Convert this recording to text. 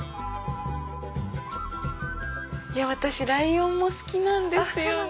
私ライオンも好きなんですよね。